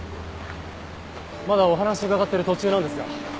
まだお話伺ってる途中なんですが。